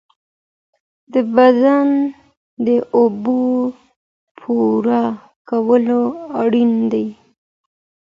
د بدن د اوبو پوره کول اړین دي.